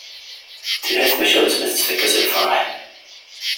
Telha tmacahut ma tettfakka s lferḥ.